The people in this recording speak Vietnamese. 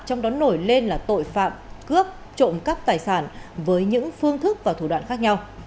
trong đó nổi lên là tội phạm cướp trộm cắp tài sản với những phương thức và thủ đoạn khác nhau